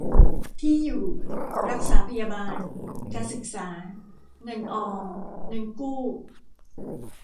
ที่อยู่-รักษาพยาบาล-การศึกษา-เงินออม-เงินกู้